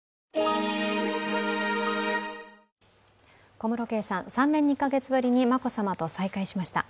小室圭さん、３年２カ月ぶりに眞子さまと再会しました。